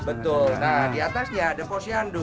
betul nah di atasnya ada posyandu